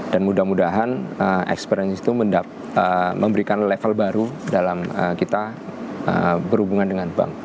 dan mudah mudahan experience itu memberikan level baru dalam kita berhubungan dengan bank